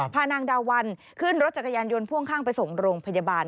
พานางดาวันขึ้นรถจักรยานยนต์พ่วงข้างไปส่งโรงพยาบาล